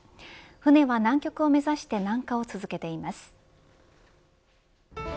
船は南極を目指して南下を続けています。